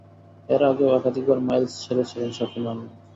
এর আগেও একাধিকবার মাইলস ছেড়েছিলেন শাফিন আহমেদ।